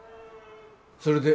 それで？